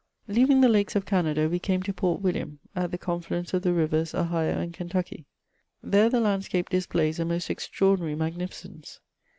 Leaving the lakes of Canada we came to Port William, at the confluence of the rivers Ohio and Kentucky. There the land scape displays a most extraordinary magnificence.